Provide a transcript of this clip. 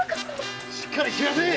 しっかりしなせえ！